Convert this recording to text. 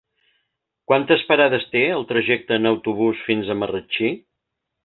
Quantes parades té el trajecte en autobús fins a Marratxí?